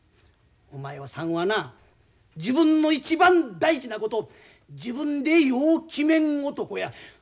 お前さんはな自分の一番大事なことを自分でよう決めん男や。